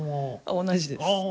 同じです。